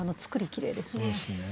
きれいですね。